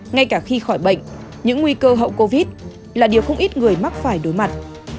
ngay cả khi khỏi bệnh những nguy cơ hậu covid là điều không ít người mắc phải đối mặt